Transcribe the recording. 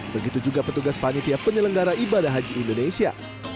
begitu juga petugas panitia penyelenggara ibadah haji indonesia